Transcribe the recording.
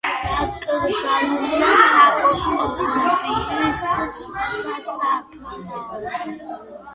დაკრძალულია საპყრობილის სასაფლაოზე.